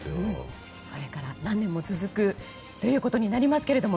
これから何年も続くということになりますけど。